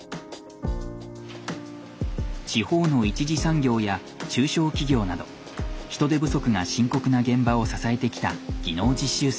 地方の一次産業や中小企業など人手不足が深刻な現場を支えてきた技能実習生。